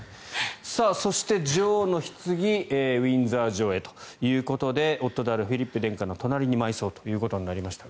そして、女王のひつぎウィンザー城へということで夫であるフィリップ殿下の隣に埋葬ということになりました。